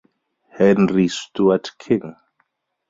Henry Stuart King.